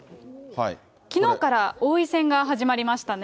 きのうから王位戦が始まりましたね。